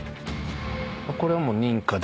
これはもう認可で。